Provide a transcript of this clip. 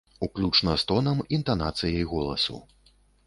Уключна з тонам, інтанацыяй голасу.